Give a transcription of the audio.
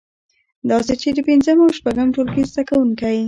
داسې چې د پنځم او شپږم ټولګي زده کوونکی